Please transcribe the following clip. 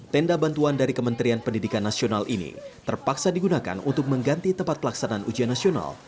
tenda bantuan dari kementerian pendidikan nasional ini terpaksa digunakan untuk mengganti tempat pelaksanaan ujian nasional